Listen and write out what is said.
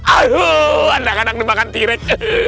aduh anak anak dimakan tirek